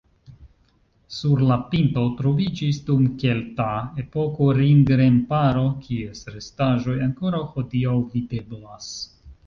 Sur la pinto troviĝis dum kelta epoko ring-remparo, kies restaĵoj ankoraŭ hodiaŭ videblas.